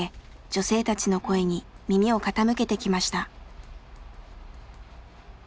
女性たちの声に耳を傾けてきました。